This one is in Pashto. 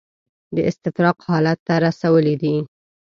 د استفراق حالت ته رسولي دي.